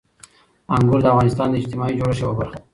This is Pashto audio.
انګور د افغانستان د اجتماعي جوړښت یوه برخه ده.